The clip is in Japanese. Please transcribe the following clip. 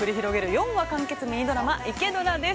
４話完結ミニドラマ、「イケドラ」です。